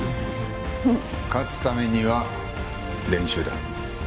勝つためには練習だ。